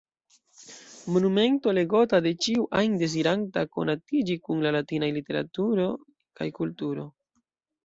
Monumento legota de ĉiu ajn deziranta konatiĝi kun la latinaj literaturo kaj kulturo.